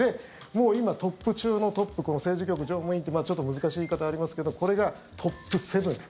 もう今、トップ中のトップ政治局常務委員ってちょっと難しい言い方ありますけど、これがトップ７。